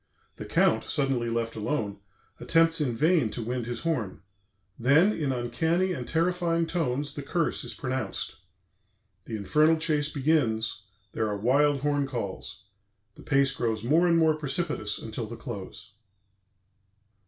The Count, suddenly left alone, attempts in vain to wind his horn; then, in uncanny and terrifying tones, the curse is pronounced. The Infernal Chase begins, there are wild horn calls; the pace grows more and more precipitous until the close.